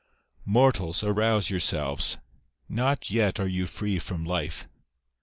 " Mortals, arouse yourselves ! Not yet are you free from life.